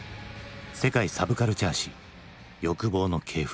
「世界サブカルチャー史欲望の系譜」。